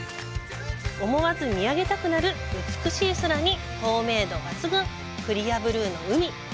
思わず見上げたくなる美しい空に透明度抜群、クリアブルーの海。